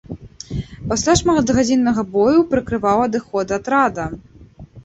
Пасля шматгадзіннага бою прыкрываў адыход атрада.